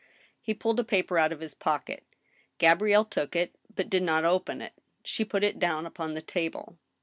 He pulled a paper out of his pocket Gabrielle took it, but did not open it. She put it down upon the table.